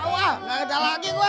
wah gak ada lagi gue